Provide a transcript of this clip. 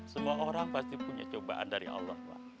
semua orang pasti punya cobaan dari allah lah